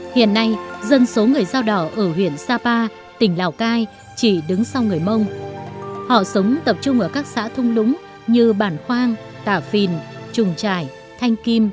hiện nay dân số người dao đỏ ở huyện sapa tỉnh lào cai chỉ đứng sau người mông họ sống tập trung ở các xã thung lũng như bản khoang tà phìn trùng trải thanh kim